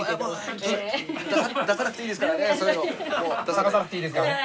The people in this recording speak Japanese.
捜さなくていいですからね。